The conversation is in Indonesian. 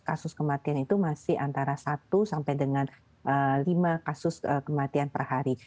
kasus kematian itu masih antara satu sampai dengan lima kasus kematian per hari